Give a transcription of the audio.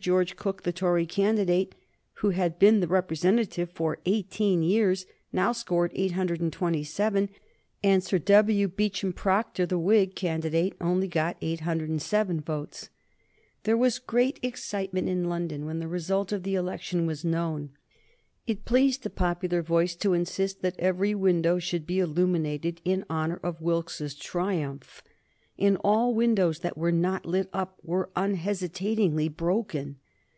George Cooke, the Tory candidate, who had been the representative for eighteen years, only scored 827, and Sir W. Beauchamp Procter, the Whig candidate, only got 807 votes. There was great excitement in London when the result of the election was known. It pleased the popular voice to insist that every window should be illuminated in honor of Wilkes's triumph, and all windows that were not lit up were unhesitatingly broken.